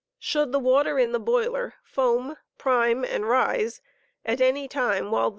Should the water in the boiler foam, prime, and rise at any time while the *<»»ing.